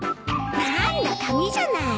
何だ紙じゃない。